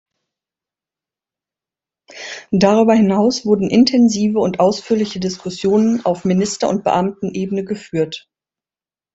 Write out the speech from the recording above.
Darüber hinaus wurden intensive und ausführliche Diskussionen auf Minister- und Beamtenebene geführt.